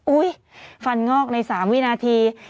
อุ๊ยฟันงอกใน๓วินาที